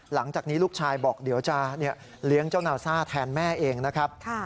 หลังจากนี้ลูกชายบอกเดี๋ยวจะเลี้ยงเจ้านาซ่าแทนแม่เองนะครับ